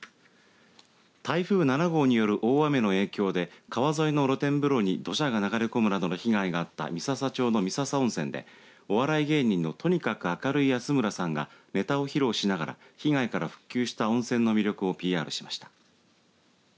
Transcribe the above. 台風７号による大雨の影響で川沿いの露天風呂に土砂が流れ込むなどの被害があった三朝町の三朝温泉でお笑い芸人のとにかく明るい安村さんがネタを披露しながら被害から復旧した温泉の魅力をＰＲしました。